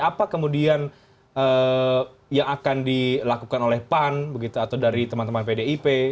apa kemudian yang akan dilakukan oleh pan begitu atau dari teman teman pdip